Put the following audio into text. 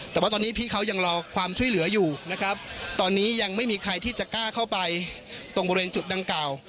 แต่ว่าตอนนี้พี่เขายังรอความช่วยเหลืออยู่นะครับตอนนี้ยังไม่มีใครที่จะกล้าเข้าไปตรงบริเวณจุดดังกล่าว